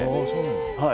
はい。